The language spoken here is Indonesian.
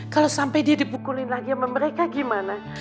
kalo sampe dia dipukulin lagi sama mereka gimana